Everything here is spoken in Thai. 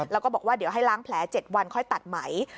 แล้วก็บอกว่าเดี๋ยวให้ล้างแผล๗วันค่อยตัดไหม